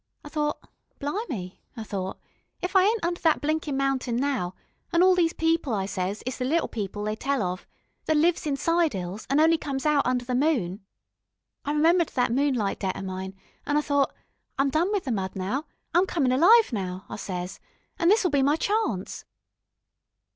I thought: 'Blimey,' I thought, 'if I ain't under thet blinkin' mountain now, an' all these people,' I ses, 'is the Little People they tell of, that lives inside 'ills, an' on'y comes out under the moon.' I remembered thet moonlight debt o' mine, an' I thought 'I'm done with the mud now, I'm comin' alive now,' I ses, 'and this'll be my charnce.'